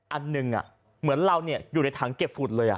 อันหนึ่งเหมือนเราอยู่ในถังเก็บฝุ่นเลย